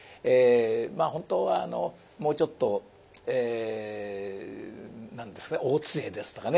まあ本当はもうちょっとえ何ですか「大津絵」ですとかね